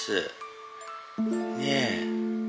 ねえ。